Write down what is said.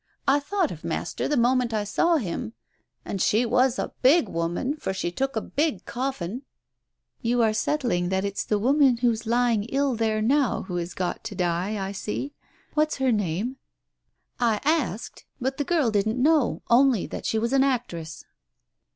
... I thought of Master the moment I saw him. ... And she was a big woman, for she took a big coffin. ..." "You are settling that it's the woman who's lying ill there now who has got to die, I see. What's her name ?" "I asked, but the girl didn't know it, only that she was an actress."